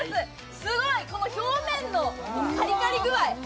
すごい、表面のカリカリ具合。